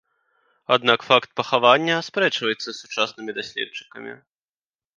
Аднак факт пахавання аспрэчваецца сучаснымі даследчыкамі.